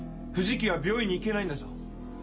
藤木は病院に行けないんだぞ。